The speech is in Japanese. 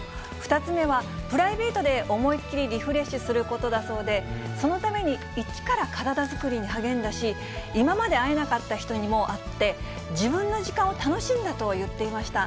２つ目は、プライベートで思いっ切りリフレッシュすることだそうで、そのために、一から体作りに励んだし、今まで会えなかった人にも会って、自分の時間を楽しんだと言っていました。